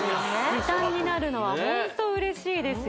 時短になるのはホント嬉しいですよ